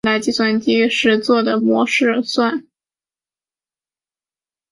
陈曾栻早年毕业于日本明治大学。